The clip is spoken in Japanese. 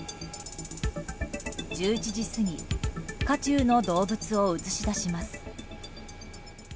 １１時過ぎ渦中の動物を映し出します。